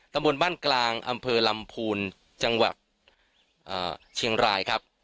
ตำบลบ้านกลางอำเภอลำพูนจังหวัดเชียงรายครับ